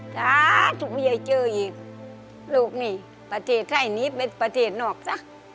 สุขใหญ่เจออีกโลกนี้ประเทศไทยนี้เป็นประเทศนอกซะ